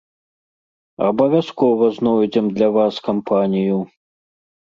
Абавязкова знойдзем для вас кампанію!